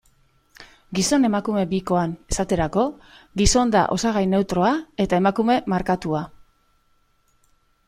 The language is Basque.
Gizon-emakume bikoan, esaterako, gizon da osagai neutroa, eta emakume markatua.